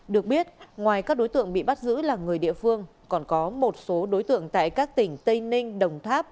được biết ngoài các đối tượng bị bắt giữ là người địa phương còn có một số đối tượng tại các tỉnh tây ninh đồng tháp